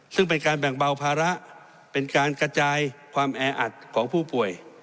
ซึ่งเป็นการแบ่งเบาภาระเป็นการกระจายความแออัดของผู้ป่วย